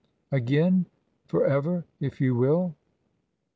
Again? For ever, if you will.